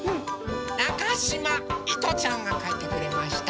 なかしまいとちゃんがかいてくれました。